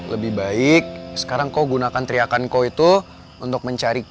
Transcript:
lebih baik sekarang kau gunakan teriakan kau itu untuk mencari